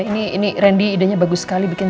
ini ini rendy idenya bagus sekali bikin